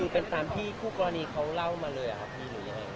เป็นตามที่ผู้กรณีเขาเล่ามาเลยหรือยังไง